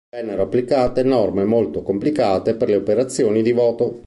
Vennero applicate norme molto complicate per le operazioni di voto.